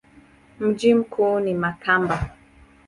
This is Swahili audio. Mji mkuu ni Makamba.